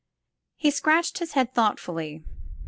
He scratched his head thoughtfully.